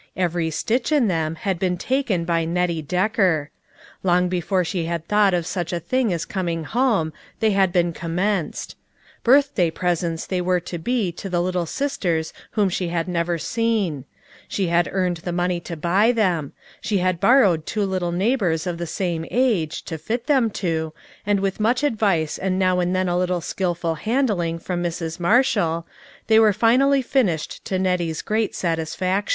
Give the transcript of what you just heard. Every stitch in them had been taken by Nettie Decker. Long before she had thought of such a thing as coming home, they had been commenced. Birthday presents they were to be to the little sisters whom she had never seen. She had earned the money to buy them. She had borrowed two little neighbors of the same age, to fit them to, and with much advice and now and then a little skilful handling from Mrs. Marshall, they were finally finished to Nettie's great satisfaction.